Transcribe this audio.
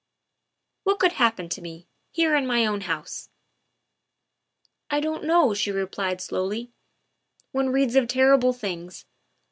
'' What could happen to me, here in my own house ?''" I don't know," she replied slowly; " one reads of terrible things.